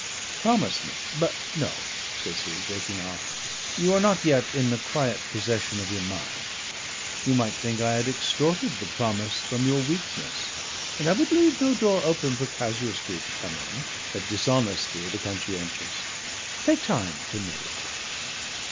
Promise me but no," says he, breaking off, "you are not yet in the quiet possession of your mind; you might think I had extorted the promise from your weakness; and I would leave no door open for casuistry to come in that dishonesty of the conscientious. Take time to meditate."